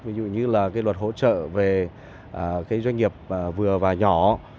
ví dụ như là cái luật hỗ trợ về cái doanh nghiệp vừa và nhỏ